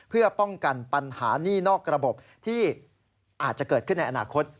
เพื่อป้องกันปัญหานี่นอกระบบที่อาจจะเกิดขึ้นในอนาคต